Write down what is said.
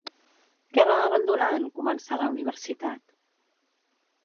Què va abandonar en començar la universitat?